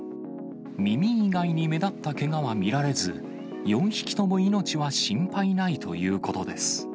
耳以外に目立ったけがは見られず、４匹とも命は心配ないということです。